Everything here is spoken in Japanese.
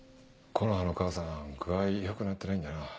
木の葉のお母さん具合良くなってないんだな。